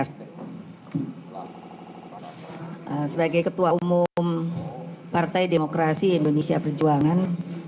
sebagai ketua umum partai demokrasi indonesia perjuangan